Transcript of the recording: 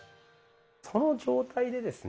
その状態でですね